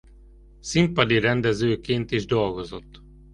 Színpadi rendezőként is dolgozott.